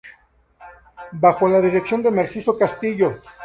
Bajo la dirección de Narciso Castillo.